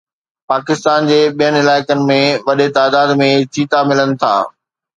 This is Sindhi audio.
پاڪستان جي ٻين علائقن ۾ وڏي تعداد ۾ چيتا ملن ٿا